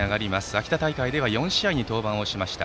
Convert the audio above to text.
秋田大会では４試合に登板をしました。